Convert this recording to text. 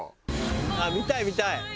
「あっ見たい見たい」